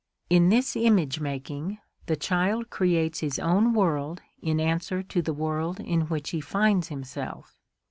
In this image making the child creates his own world in answer to the world in which he finds himself.